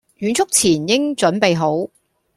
遠足前應準備好